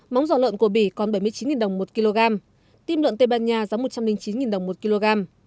móng giò lợn của bỉ còn bảy mươi chín đồng một kg tim lợn tây ban nha giá một trăm linh chín đồng một kg